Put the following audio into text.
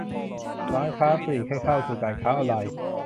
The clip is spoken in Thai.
ร้านค้าปลีกให้เข้าสู่การค้าออนไลน์